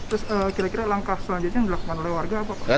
terus kira kira langkah selanjutnya menolak warga apa